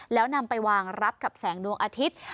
แล้วนำไปวางรับกับแสงดวงอาทิตย์